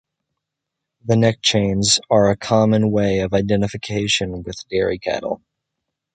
The neck chains are a common way of identification with dairy cattle.